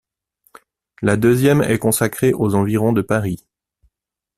La deuxième est consacrée aux environs de Paris.